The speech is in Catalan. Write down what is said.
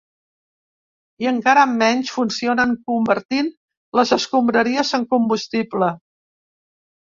I encara menys funcionen convertint les escombraries en combustible.